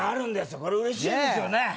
これ嬉しいですよね